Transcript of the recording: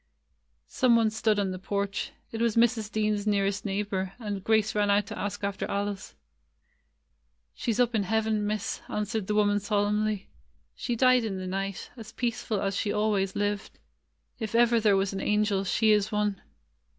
Some one stood on the porch; it was Mrs. Dean's nearest neighbor, and Grace ran out to ask after Alice. "She 's up in heaven. Miss," answered the woman solemnly. "She died in the night, as peaceful as she always lived. If ever there was an angel, she is one."